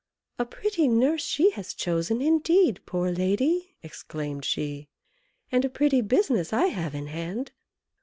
"A pretty nurse she has chosen, indeed, poor lady!" exclaimed she, "and a pretty business I have in hand!